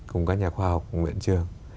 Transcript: cùng các nhà khoa học cùng các viện trường